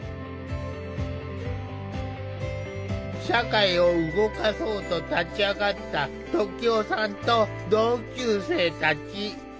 社会を動かそうと立ち上がった時男さんと同級生たち。